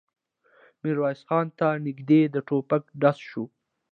ميرويس خان ته نږدې د ټوپک ډز شو.